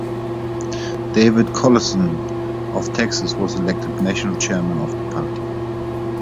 David Collison of Texas was elected national chairman of the party.